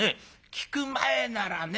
聞く前ならね